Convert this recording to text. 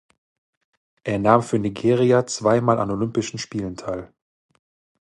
Er nahm für Nigeria zweimal an Olympischen Spielen teil.